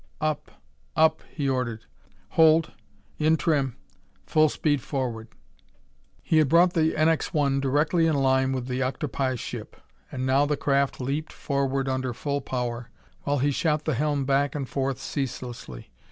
"Up up," he ordered. "Hold in trim full speed forward!" He had brought the NX 1 directly in line with the octopi ship. And now the craft leaped forward under full power, while he shot the helm back and forth ceaselessly.